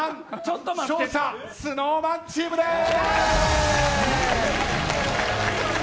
勝者ＳｎｏｗＭａｎチームです。